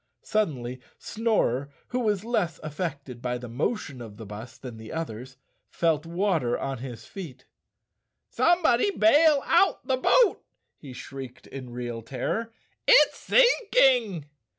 Suddenly Snorer, who was less affected by the mo¬ tion of the bus than the others, felt water on his feet. "Somebody bail out the boat," he shrieked in real terror, "it's sinking!"